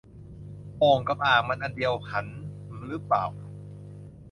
โอ่ง กับ อ่าง มันอันเดียวหันหรือเปล่า